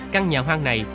căn nhà hoang này